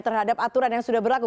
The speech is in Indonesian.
terhadap aturan yang sudah berlaku